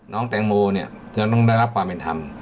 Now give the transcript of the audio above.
น้องแตงโมเนี่ยจะต้องได้รับความเป็นธรรม